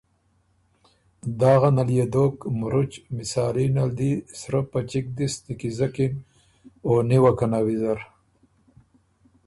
داغه نل يې دوک، مرُچ مسالي نل دی سرۀ په چِګ دِس دِست نیکیزکِن او نیوکنه ویزر۔